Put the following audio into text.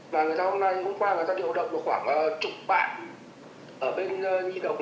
và người ta hôm nay hôm qua người ta điều động được khoảng chục bạn ở bên nhi đồng